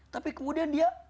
tapi kemudian dia